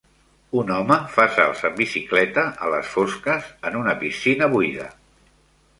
Un home fa salts en bicicleta a les fosques en una piscina buida.